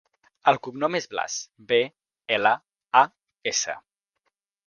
El cognom és Blas: be, ela, a, essa.